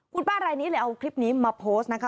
คุณป้ารายนี้เลยเอาคลิปนี้มาโพสต์นะคะ